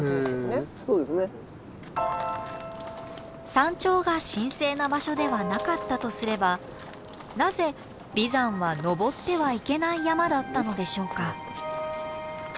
山頂が神聖な場所ではなかったとすればなぜ眉山は登ってはいけない山だったのでしょうか。